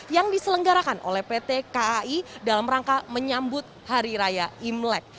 yang diselenggarakan oleh pt kai dalam rangka menyambut hari raya imlek